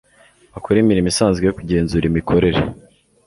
bakore imirimo isanzwe yo kugenzura imikorere